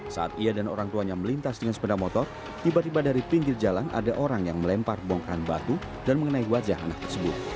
saat ia dan orang tuanya melintas dengan sepeda motor tiba tiba dari pinggir jalan ada orang yang melempar bongkaran batu dan mengenai wajah anak tersebut